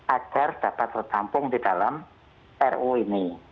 agar dapat tertampung di dalam ruu ini